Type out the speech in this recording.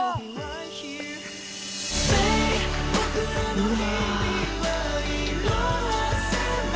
うわ。